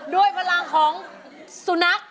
ด้วยพลังของสุนัค